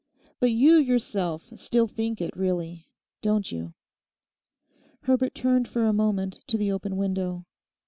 But you yourself still think it really, don't you?' Herbert turned for a moment to the open window.